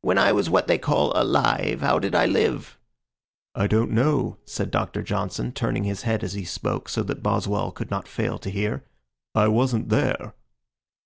When I was what they call alive, how did I live?" "I don't know," said Doctor Johnson, turning his head as he spoke so that Boswell could not fail to hear. "I wasn't there."